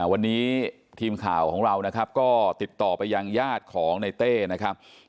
วันนี้ทีมข่าวของเรานะครับก็ติดต่อไปยังญาติของในเต้นะครับ